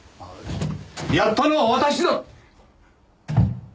やったのは私だ！